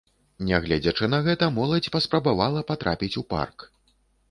Нягледзячы на гэта моладзь паспрабавала патрапіць у парк.